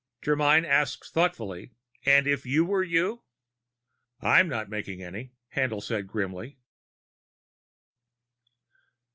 Germyn asked thoughtfully: "And if you were you?" "I'm not making any," Haendl said grimly.